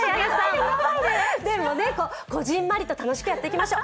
でも、こぢんまりと楽しくやっていきましょう。